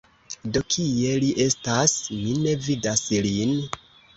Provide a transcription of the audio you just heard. Do kie li estas? Mi ne vidas lin?